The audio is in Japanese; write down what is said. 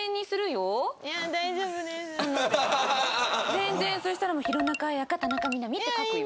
全然そしたらもう「弘中綾香田中みな実」って書くよ？